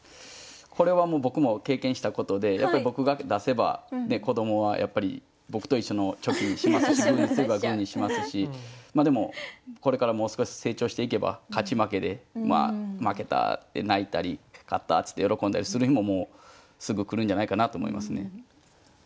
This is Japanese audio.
これはもう僕も経験したことでやっぱり僕が出せばね子どもはやっぱり僕と一緒のチョキにしますしグーにすればグーにしますしでもこれからもう少し成長していけば勝ち負けで負けたって泣いたり勝ったって喜んだりする日ももうすぐ来るんじゃないかなと思いますね。